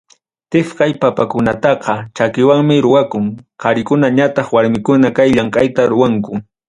Tipqay papakunataqa, chakiwanmi ruwakun, qarikuna ñataq warmikuna kay llamkayta ruwanku.